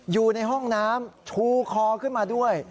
อยู่ในห้องน้ำชูคอขึ้นมาด้วย